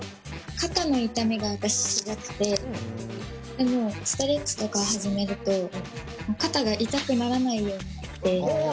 肩の痛みが私すごくてでもストレッチとか始めると肩が痛くならないようになってだいぶ効果あります。